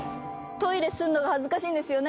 トイレするのが恥ずかしいんですよね。